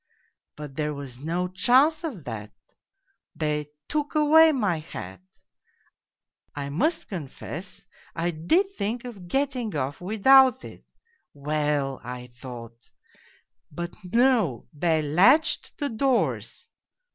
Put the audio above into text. But there was no chance of that, they took away my hat ... I must confess, I did think of getting off with out it. ' Well !' I thought but no, they latched the doors.